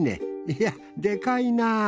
いやでかいなぁ。